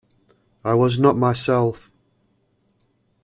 I was not myself.